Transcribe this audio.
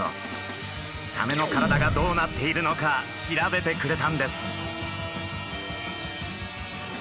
サメの体がどうなっているのか調べてくれたんです。